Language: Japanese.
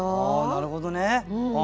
なるほどね。